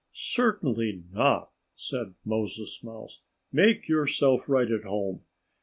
"Certainly not!" said Moses Mouse. "Make yourself right at home.